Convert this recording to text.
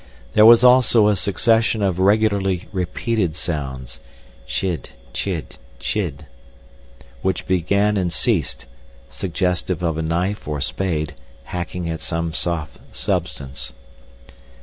There was also a succession of regularly repeated sounds—chid, chid, chid—which began and ceased, suggestive of a knife or spade hacking at some soft substance.